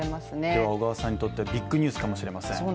では小川さんにとってはビッグニュースかもしれません。